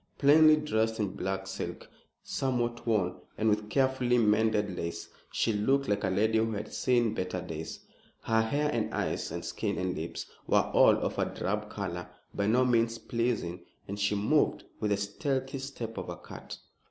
Plainly dressed in black silk, somewhat worn, and with carefully mended lace, she looked like a lady who had seen better days. Her hair, and eyes, and skin, and lips, were all of a drab color, by no means pleasing, and she moved with the stealthy step of a cat.